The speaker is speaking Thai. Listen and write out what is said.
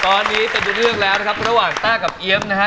ตอนนี้ติดเลือกแล้วนะครับระหว่างต้ากับเอี๊ยมนะครับ